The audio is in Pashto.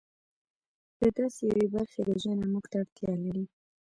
د داسې یوې برخې روزنه موږ ته اړتیا لري.